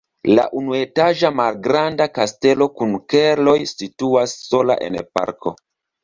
La unuetaĝa malgranda kastelo kun keloj situas sola en parko.